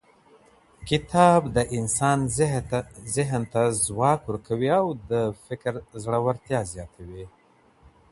کتاب د انسان ذهن ته ځواک ورکوي او د فکر ژورتيا زياتوي هر وخت.